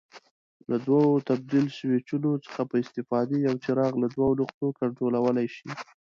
له دوو تبدیل سویچونو څخه په استفاده یو څراغ له دوو نقطو کنټرولولای شي.